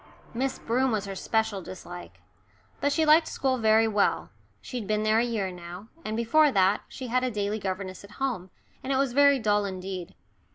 Miss Broom was her special dislike. But she liked school very well, she'd been there a year now, and before that she had a daily governess at home, and it was very dull indeed.